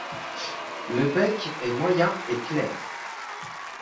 Le bec est moyen et clair.